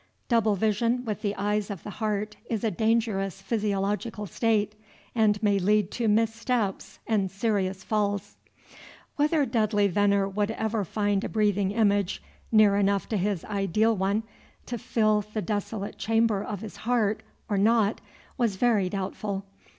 Double vision with the eyes of the heart is a dangerous physiological state, and may lead to missteps and serious falls. Whether Dudley Veneer would ever find a breathing image near enough to his ideal one, to fill the desolate chamber of his heart, or not, was very doubtful.